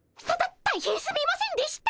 たた大変すみませんでした。